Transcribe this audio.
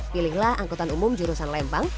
pilihlah angkutan umum jurusan lembang